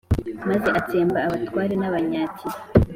maze atsemba abatware b’Abanyatiri,